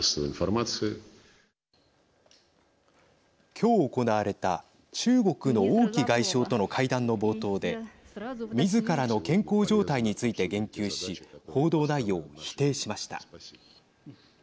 今日行われた中国の王毅外相との会談の冒頭でみずからの健康状態について言及し報道内容を否定しました。